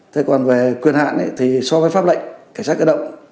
thế còn về quyền hạn thì so với pháp lệnh cảnh sát cơ động